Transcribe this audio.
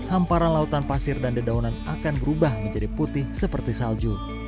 hamparan lautan pasir dan dedaunan akan berubah menjadi putih seperti salju